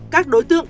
các đối tượng